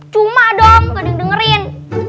cuma dong kadang dengerin